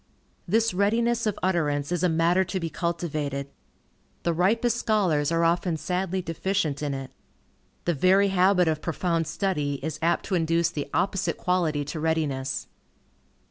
This readiness of utterance is a matter to be cultivated. The ripest scholars are often sadly deficient in it. The very habit of profound study is apt to induce the opposite quality to readiness.